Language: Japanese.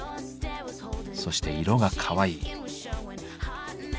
そして色がかわいい。